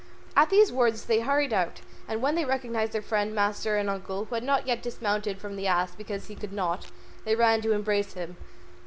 At these words they all hurried out, and when they recognised their friend, master, and uncle, who had not yet dismounted from the ass because he could not, they ran to embrace him.